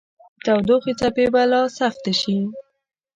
د تودوخې څپې به لا سختې شي